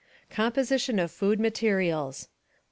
16 COMPOSITION OF FOOD MATERIALS.